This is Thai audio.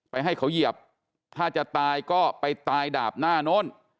ให้เขาเหยียบถ้าจะตายก็ไปตายดาบหน้าโน้น